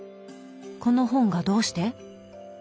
この本がどうして？